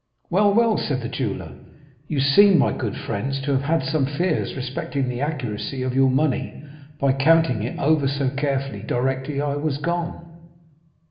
"'Well, well,' said the jeweller, 'you seem, my good friends, to have had some fears respecting the accuracy of your money, by counting it over so carefully directly I was gone.